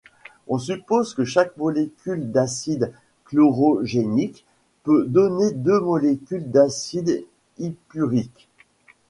On suppose que chaque molécule d'acide chlorogénique peut donner deux molécules d'acide hippurique.